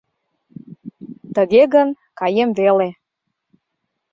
Тыге гын, каем веле...